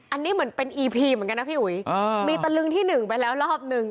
อันนี้เหมือนเป็นอีพีเหมือนกันนะพี่อุ๋ยมีตะลึงที่หนึ่งไปแล้วรอบหนึ่ง